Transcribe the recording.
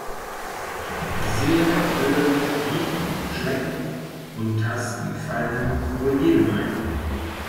Sehen, Hören, Riechen, Schmecken und Tasten fallen wohl jedem ein.